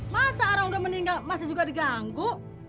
masa orang udah meninggal masih juga diganggu